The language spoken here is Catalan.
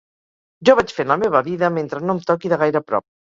Jo vaig fent la meva vida mentre no em toqui de gaire prop.